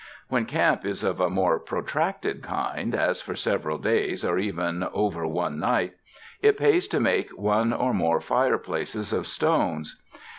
When camp is of a more protracted kind, as for several days, or even over one night, it pays to make one or more fire places of stones.